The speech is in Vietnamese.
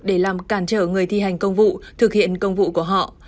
để làm cản trở người thi hành công vụ thực hiện công vụ của họ